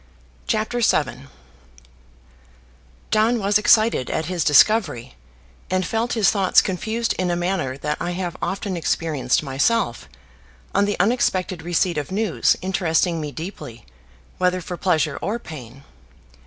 CHAPTER VII John was excited at his discovery, and felt his thoughts confused in a manner that I have often experienced myself on the unexpected receipt of news interesting me deeply, whether for pleasure or pain.